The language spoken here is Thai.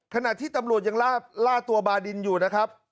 ขณะที่ตำรวจยังล่าตัวบาดินอยู่นะครับ